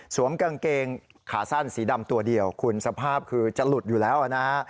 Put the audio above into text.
กางเกงขาสั้นสีดำตัวเดียวคุณสภาพคือจะหลุดอยู่แล้วนะฮะ